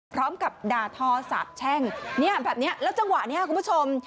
พร้อมกับด่าทอสาบแช่งเนี่ยแบบนี้แล้วจังหวะนี้คุณผู้ชม